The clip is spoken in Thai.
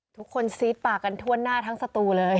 ทุกคนซีดปากกันทวนหน้าทั้งสตูเลย